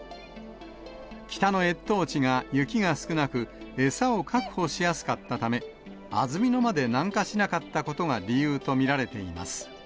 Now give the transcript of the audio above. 北の越冬地が雪が少なく、餌を確保しやすかったため、安曇野まで南下しなかったことが理由と見られています。